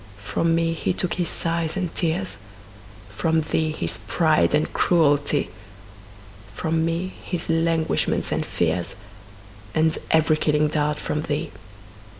From me he took his sighs and tears, From thee his pride and cruelty; 10 From me his languishments and fears, And every killing dart from thee.